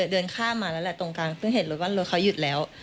เดินข้ามมาแล้วแหละตรงกลางเพิ่งเห็นรถว่ารถเขาหยุดแล้ว